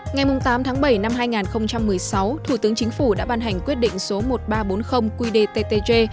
ngày tám tháng bảy năm hai nghìn một mươi sáu thủ tướng chính phủ đã ban hành quyết định số một nghìn ba trăm bốn mươi qdttg